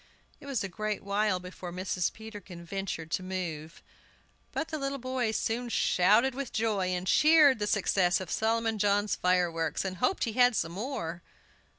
It was a great while before Mrs. Peterkin ventured to move. But the little boys soon shouted with joy, and cheered the success of Solomon John's fireworks, and hoped he had some more.